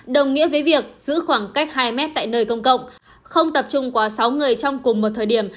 đồng nghĩa với việc giữ khoảng cách hai mét tại nơi công cộng không tập trung quá sáu người trong cùng một thời điểm